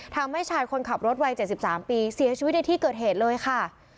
ทำให้ชายคนขับรถวัย๗๓ปีเสียชีวิตในที่เกิดเหตุเลยค่ะ